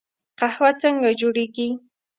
قهوه څنګه جوړیږي؟